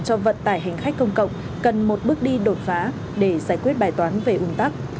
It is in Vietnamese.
cho vận tải hành khách công cộng cần một bước đi đột phá để giải quyết bài toán về ung tắc